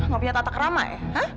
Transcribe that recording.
gak punya tatak lama ya